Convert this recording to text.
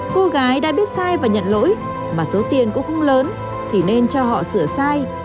cô gái đã biết sai và nhận lỗi mà số tiền cũng không lớn thì nên cho họ sửa sai